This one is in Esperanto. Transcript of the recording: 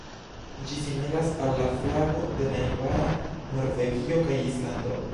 Ĝi similas al la flago de najbara Norvegio kaj Islando.